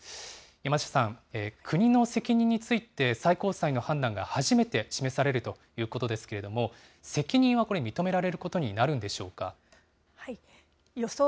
山下さん、国の責任について最高裁の判断が初めて示されるということですけれども、責任はこれ、認められることになるんでしょうか。